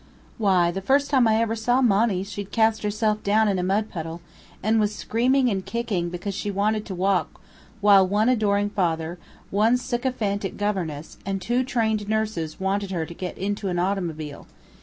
Why, the first time I ever saw Monny she'd cast herself down in a mud puddle, and was screaming and kicking because she wanted to walk while one adoring father, one sycophantic governess and two trained nurses wanted her to get into an automobile.